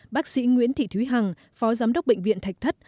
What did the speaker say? bác sĩ nguyễn thị thúy hằng phó giám đốc bệnh viện thạch thất